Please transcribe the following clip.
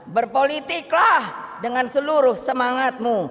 berpolitiklah dengan seluruh semangatmu